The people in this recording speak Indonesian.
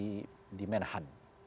wamen di menhan